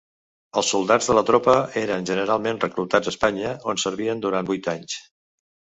Els soldats de la tropa eren generalment reclutats a Espanya, on servien durant vuit anys.